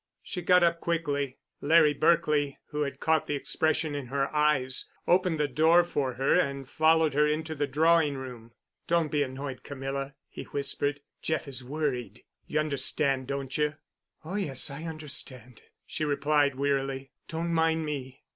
She got up quickly. Larry Berkely, who had caught the expression in her eyes, opened the door for her and followed her into the drawing room. "Don't be annoyed, Camilla," he whispered. "Jeff is worried. You understand, don't you?" "Oh, yes, I understand," she replied wearily. "Don't mind me."